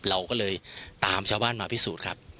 เราก็เลยตามชาวบ้านมาพิสูจน์ครับ